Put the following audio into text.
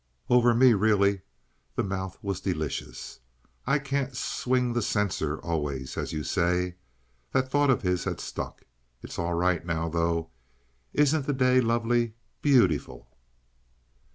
"Over me, really." The mouth was delicious. "I can't swing the censer always, as you say." That thought of his had stuck. "It's all right now, though. Isn't the day lovely, be yoot i ful!"